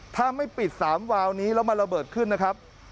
ถ้าไม่ปิด๓วาวนี้แล้วมันระเบิดขึ้นนะครับ